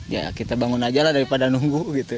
ya kita bangun aja lah daripada nunggu gitu